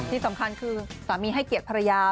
ที่สำคัญคือสามีให้เกียรติภรรยา